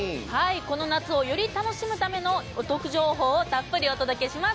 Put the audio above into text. この夏をより楽しむためのお得情報をたっぷりお届けします。